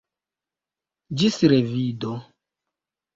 Ĝis revido.